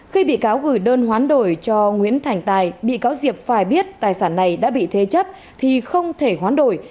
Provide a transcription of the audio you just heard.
khi bị cáo gửi đơn khoán đổi cho nguyễn thành tài bị cáo diệp phải biết tài sản này đã bị thê chấp thì không thể khoán đổi